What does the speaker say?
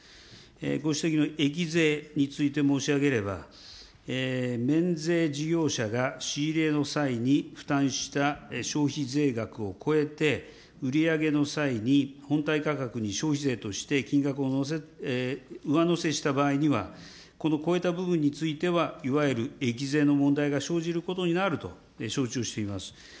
ご指摘の益税について申し上げれば、免税事業者が仕入れの際に負担した消費税額を超えて、売り上げの際に本体価格に消費税として金額を上乗せした場合には、この超えた部分については、いわゆる益税の問題が生じることになると、承知をしています。